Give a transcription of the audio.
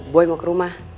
boy mau ke rumah